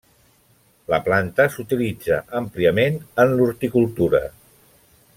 La planta s'utilitza àmpliament en l'horticultura.